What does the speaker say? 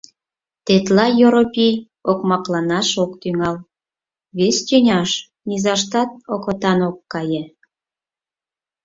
Тетла Йоропий окмакланаш ок тӱҥал, вес тӱняш низаштат окотан ок кае.